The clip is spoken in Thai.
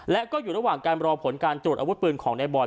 และก็อยู่ระหว่างการรอผลการตรวจอาวุธปืนของในบอย